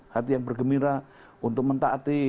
hati yang bergembira untuk mentaati